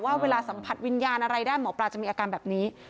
เวลาสัมผัสวิญญาณอะไรได้หมอปลาจะมีอาการแบบนี้